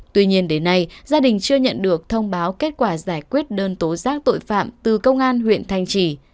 tuy nhiên đến nay gia đình chưa nhận được thông báo kết quả giải quyết đơn tố giác tội phạm từ công an huyện thanh trì